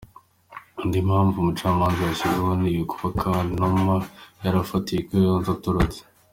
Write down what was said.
Indi mpamvu Umucamanza yashingiyeho ni ukuba Kanuma yarafatiwe i Kayonza atorotse.